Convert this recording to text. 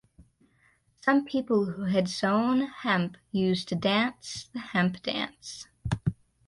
Some people who had sown hemp used to dance the hemp dance.